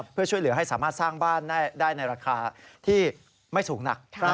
เพื่อช่วยเหลือให้สามารถสร้างบ้านได้ในราคาที่ไม่สูงหนัก